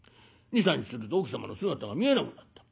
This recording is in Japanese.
２３日すると奥様の姿が見えなくなった。